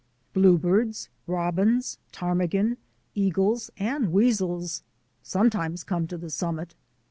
Blue birds, robins, ptarmigan, eagles, and weasels sometimes come to the summit.